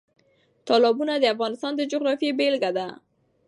تالابونه د افغانستان د جغرافیې بېلګه ده.